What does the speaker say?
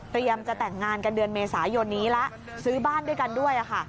เตรียมจะแต่งงานกันเดือนเมษายนนี้ละซื้อบ้านด้วยกันด้วยอ่ะค่ะ